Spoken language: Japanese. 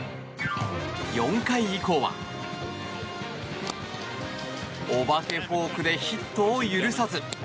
４回以降は、お化けフォークでヒットを許さず。